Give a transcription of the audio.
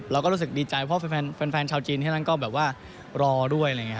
เราก็รู้สึกดีใจเพราะแฟนชาวจีนที่นั่นก็แบบว่ารอด้วย